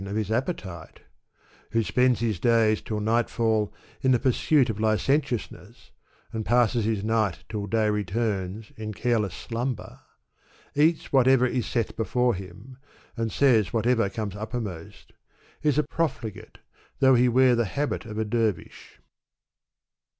of his appetite ; who spends his days till night fall in the pursuit of licentiousness, and passes his night till day returns in careless slumber ; eats whatever is set before him, and says whate\rer comes uppermost; is a profligate, though he wear the habit of a dervish.